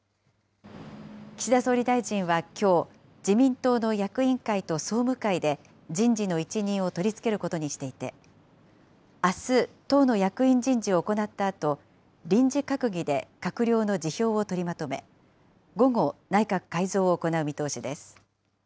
岸田総理大臣はきょう、自民党の役員会と総務会で、人事の一任を取り付けることにしていて、あす、党の役員人事を行ったあと、臨時閣議で閣僚の辞表を取りまとめ、午後、内閣改造を行う見通しです。